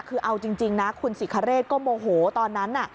คือเอาจริงนะคุณสิคะเรศก็โมโหตอนนั้น